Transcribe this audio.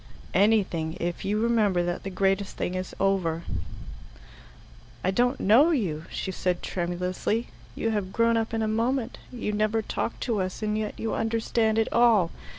"Anything if you remember that the greatest thing is over." "I don't know you," she said tremulously. "You have grown up in a moment. You never talked to us, and yet you understand it all.